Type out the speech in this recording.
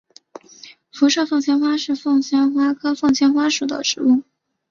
辐射凤仙花是凤仙花科凤仙花属的植物。